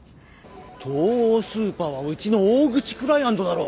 東王スーパーはうちの大口クライアントだろう。